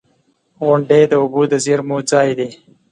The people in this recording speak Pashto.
• غونډۍ د اوبو د زیرمو ځای دی.